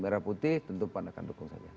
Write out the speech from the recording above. merah putih tentu pan akan dukung saja